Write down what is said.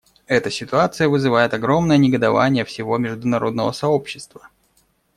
Эта ситуация вызывает огромное негодование всего международного сообщества.